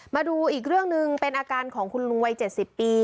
มาดูอีกเรื่องหนึ่งเป็นอาการของคุณลุงวัย๗๐ปี